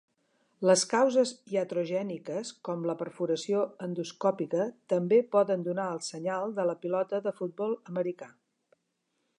Les causes iatrogèniques com la perforació endoscòpica també poden donar el senyal de la pilota de futbol americà.